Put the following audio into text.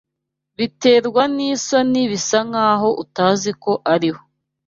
Biterwa n'isoni bisa nkaho utazi ko ariho